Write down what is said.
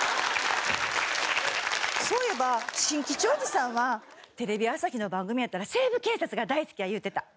そういえば新吉おじさんはテレビ朝日の番組やったら『西部警察』が大好きや言うてた。